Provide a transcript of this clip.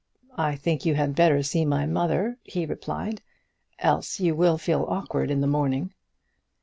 "I think you had better see my mother," he replied, "else you will feel awkward in the morning."